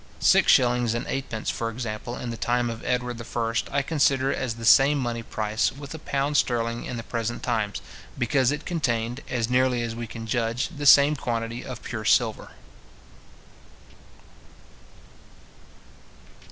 Six shillings and eight pence, for example, in the time of Edward I., I consider as the same money price with a pound sterling in the present times, because it contained, as nearly as we can judge, the same quantity of pure silver.